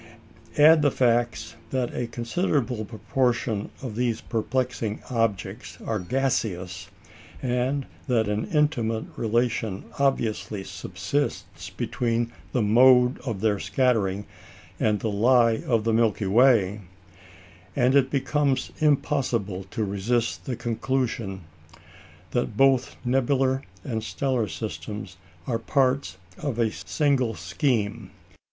Add the facts that a considerable proportion of these perplexing objects are gaseous, and that an intimate relation obviously subsists between the mode of their scattering and the lie of the Milky Way, and it becomes impossible to resist the conclusion that both nebular and stellar systems are parts of a single scheme.